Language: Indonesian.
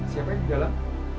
siapanya di dalam